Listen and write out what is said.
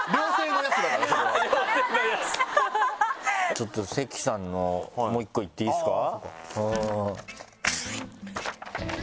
ちょっと関さんのもう１個いっていいですか？